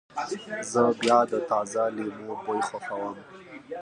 زه د تازه لیمو بوی خوښوم.